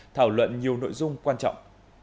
thảo luận nhiều nội dung quan trọng